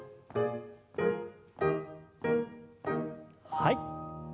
はい。